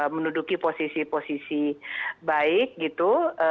menduduki posisi posisi baik gitu